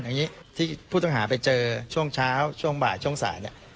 อย่างนี้ที่ผู้ต้องหาไปเจอช่วงเช้าช่วงบ่ายช่วงสายเนี่ย